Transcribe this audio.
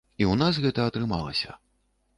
І ў нас гэта атрымалася.